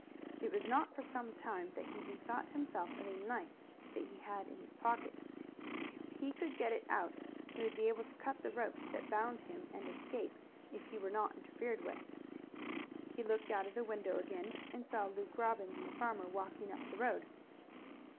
It was not for some time that he bethought himself of a knife that he had in his pocket. If he could get it out he would be able to cut the ropes that bound him and escape, if he were not interfered with. He looked out of the window again and saw Luke Robbins and the farmer walking up the road.